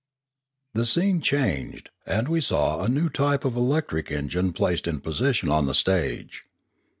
The scene changed, and we saw a new type of elec tric engine placed in position on the stage.